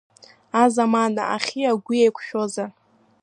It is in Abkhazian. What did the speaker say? Азамана, ахи агәи еиқәшәозар!